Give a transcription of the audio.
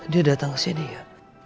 dia datang kesini ya